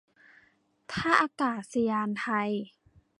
ท่าอากาศยานไทย